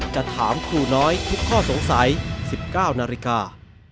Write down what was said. จะถามครูน้อยทุกข้อสงสัย๑๙นาฬิกา